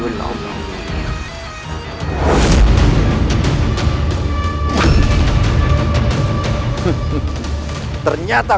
sekarang rasakan tenaga dalamku